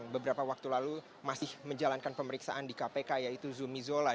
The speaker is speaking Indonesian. beberapa waktu lalu masih menjalankan pemeriksaan di kpk yaitu zumi zola